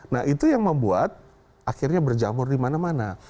nah itu yang membuat akhirnya berjamur dimana mana